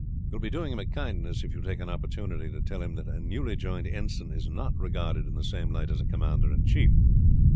You will be doing him a kindness if you take an opportunity to tell him that a newly joined ensign is not regarded in the same light as a commander in chief.